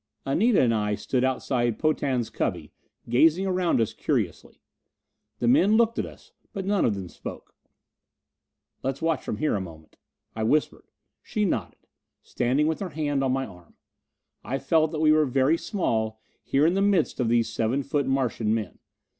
Anita and I stood outside Potan's cubby, gazing around us curiously. The men looked at us, but none of them spoke. "Let's watch from here a moment," I whispered. She nodded, standing with her hand on my arm. I felt that we were very small, here in the midst of these seven foot Martian men.